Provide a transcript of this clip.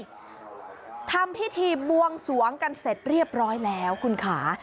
ทำพิธีบวงสวงกันเสร็จเรียบร้อยแล้วคุณค่ะ